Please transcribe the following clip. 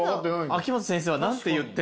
秋元先生は何て言ってんだ。